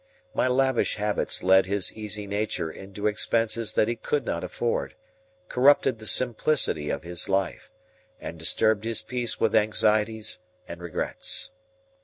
My lavish habits led his easy nature into expenses that he could not afford, corrupted the simplicity of his life, and disturbed his peace with anxieties and regrets.